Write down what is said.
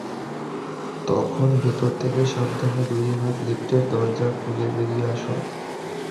তখন ভেতর থেকে সাবধানে দুই হাতে লিফটের দরজা খুলে বেরিয়ে আসুন।